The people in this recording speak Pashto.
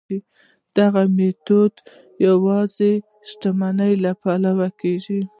په دغه میتود کې یوازې شتمنۍ پلورل کیږي.